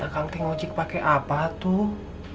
akang teh ngojek pake apa tuh